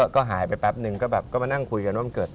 ก็หายไปแป๊บนึงก็แบบก็มานั่งคุยกันว่ามันเกิด